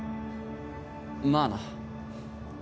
まあな。